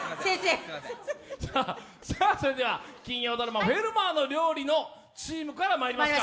それでは金曜ドラマ「フェルマーの料理」のチームからまいりましょう。